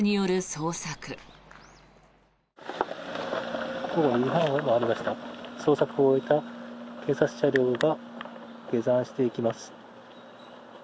捜索を終えた警察車両が下山していきます。